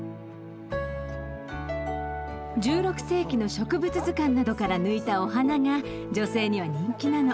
１６世紀の植物図鑑などから抜いたお花が女性には人気なの。